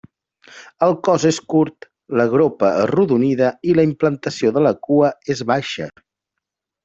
El cos és curt, la gropa arrodonida i la implantació de la cua és baixa.